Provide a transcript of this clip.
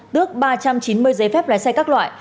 tước ba trăm chín mươi giấy phép lái xe các loại